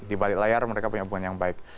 di balik layar mereka punya hubungan yang baik